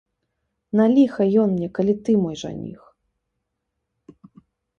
На ліха ён мне, калі ты мой жаніх.